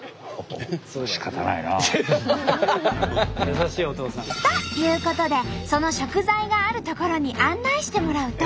優しいおとうさん。ということでその食材がある所に案内してもらうと。